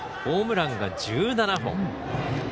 ホームランが１７本。